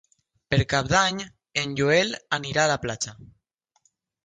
Per Cap d'Any en Joel anirà a la platja.